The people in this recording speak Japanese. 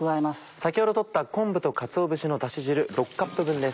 先ほど取った昆布とかつお節のダシ汁６カップ分です。